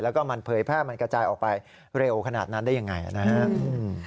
แล้วก็มันเผยแพร่มันกระจายออกไปเร็วขนาดนั้นได้ยังไงนะครับ